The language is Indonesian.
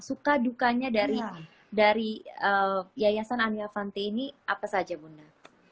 suka dukanya dari yayasan andi avanti ini apa saja bunda